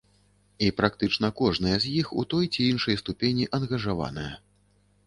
І практычна кожная з іх у той ці іншай ступені ангажаваная.